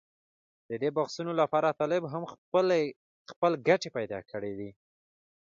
د دې بحثونو لپاره طالب هم خپل ګټې پېدا کړې دي.